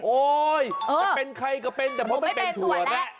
โอ๊ยจะเป็นใครก็เป็นแต่เพราะไม่เป็นถั่วแระ